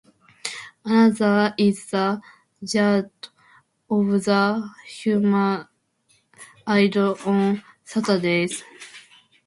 Another is the 'Jagrut' of the Hanuman Idol on Saturdays.